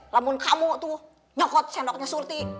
lamun kamu tuh nyokot sendoknya surti